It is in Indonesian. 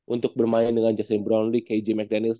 untuk bermain dengan justin brownlee kj mcdaniels